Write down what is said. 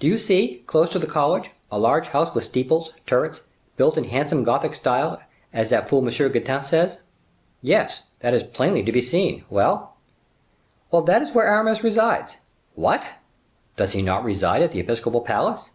Do you see, close to the college, a large house with steeples, turrets, built in a handsome Gothic style, as that fool, M. Getard, says?" "Yes, that is plainly to be seen. Well?" "Well, that is where Aramis resides." "What! does he not reside at the episcopal palace?"